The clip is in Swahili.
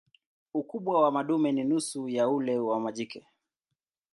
Ukubwa wa madume ni nusu ya ule wa majike.